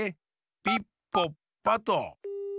ピッポッパッと。